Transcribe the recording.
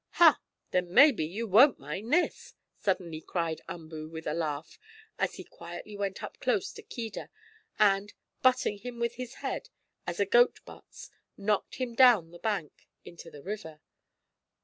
"Ha! Then maybe you won't mind this!" suddenly cried Umboo with a laugh, as he quietly went up close to Keedah, and, butting him with his head, as a goat butts, knocked him down the bank into the river.